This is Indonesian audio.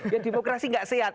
ya demokrasi nggak sehat